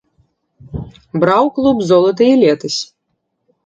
Браў клуб золата і летась.